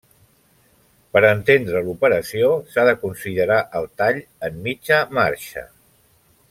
Per entendre l'operació, s'ha de considerar el tall en mitja marxa.